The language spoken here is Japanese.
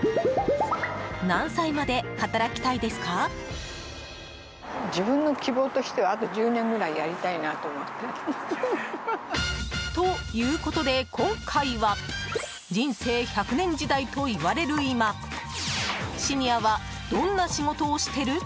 何歳まで働きたいですか？ということで、今回は人生１００年時代と言われる今シニアはどんな仕事をしてる？